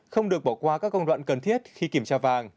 không được bỏ qua các công đoạn cần thiết khi kiểm tra vàng